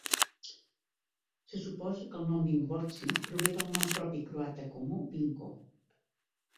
Se suposa que el nom Vinkovci prové del nom propi croata comú "Vinko".